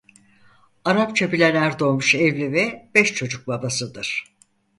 Arapça bilen Erdoğmuş evli ve beş çocuk babasıdır.